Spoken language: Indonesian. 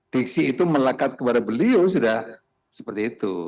diksi itu melekat kepada beliau sudah seperti itu